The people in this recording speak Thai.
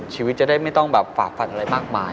ชีวิตจะได้ไม่ต้องแบบฝ่าฟันอะไรมากมาย